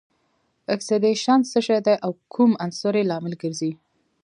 اکسیدیشن څه شی دی او کوم عنصر یې لامل ګرځي؟